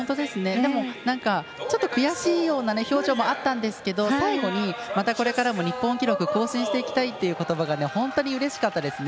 でもちょっと悔しいような表情もあったんですけど、最後にまたこれからも日本記録更新していきたいってことばが本当にうれしかったですね。